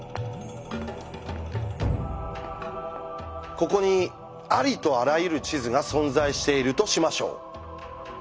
ここにありとあらゆる地図が存在しているとしましょう。